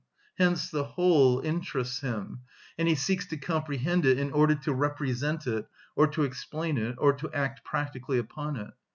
Hence the whole interests him, and he seeks to comprehend it in order to represent it, or to explain it, or to act practically upon it.